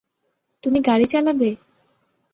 তুমি গাড়ি চালাবে?